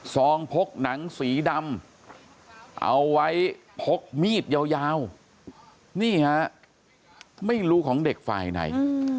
ซองพกหนังสีดำเอาไว้พกมีดยาวนี่ฮะไม่รู้ของเด็กฝ่ายไหน